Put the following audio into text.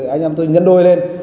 anh em tôi nhấn đôi lên